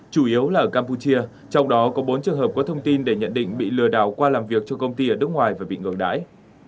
chủ yếu là ở campuchia trong đó có bốn trường hợp có thông tin để nhận định bị lừa đảo qua làm việc cho công ty ở nước ngoài và bị ngược đãi